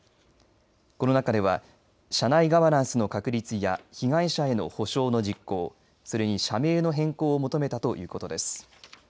この中では社内ガバナンスの確立や被害者への補償の実行それに社名の変更を求めたということです。